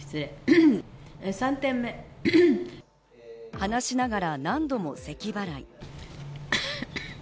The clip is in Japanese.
話しながら何度もせき払い。